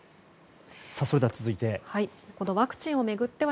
それでは、続いては。